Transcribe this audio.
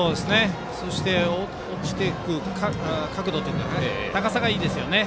そして落ちていく角度というか高さがいいですね。